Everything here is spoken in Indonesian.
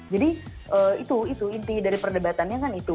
jadi itu inti dari perdebatannya kan itu